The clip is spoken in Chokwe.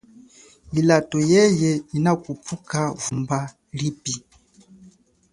Ilato yeye inakhupuka vumba lipi.